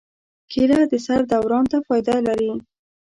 کېله د سر دوران ته فایده لري.